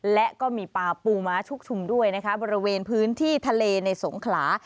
และก็มีปลาปูม้าชุกชุมด้วยนะคะบริเวณพื้นที่ทะเลในสงขลา